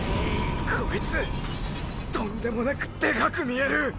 こいつとんでもなくでかく見える！！